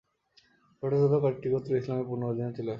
ছোট ছোট কয়েকটি গোত্র ইসলামের পূর্ণ অধীনে চলে আসে।